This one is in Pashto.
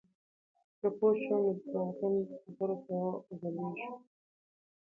که پوه شو، نو درواغجنو خبرو ته غولېږو.